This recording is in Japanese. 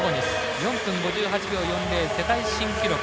４分５８秒４０で世界新記録。